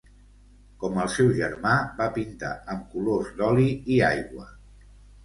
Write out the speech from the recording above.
Com el seu germà, va pintar amb colors d'oli i aigua.